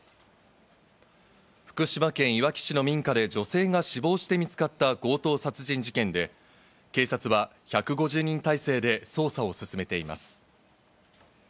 福島県いわき市の民家で女性が死亡して見つかった強盗殺人事件で、警察は１５０人態勢で捜査を進めています。